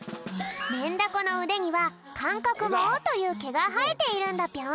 メンダコのうでには「かんかくもう」というけがはえているんだぴょん。